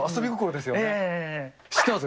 知ってます？